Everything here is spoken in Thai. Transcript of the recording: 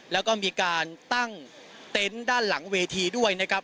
แล้วก็มีการตั้งเต็นต์ด้านหลังเวทีด้วยนะครับ